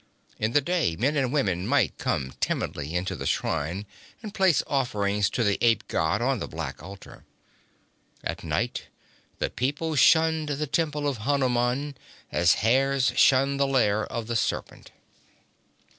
In the day men and women might come timidly into the shrine and place offerings to the ape god on the black altar. At night the people shunned the temple of Hanuman as hares shun the lair of the serpent.